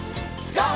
ＧＯ！